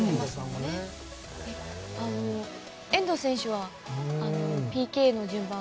遠藤選手はＰＫの順番。